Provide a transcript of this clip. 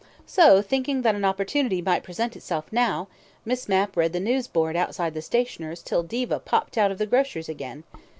So, thinking that an opportunity might present itself now, Miss Mapp read the news board outside the stationer's till Diva popped out of the grocer's again.